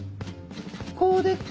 こうでっか？